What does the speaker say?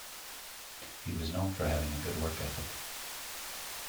He was known for having a good work ethic.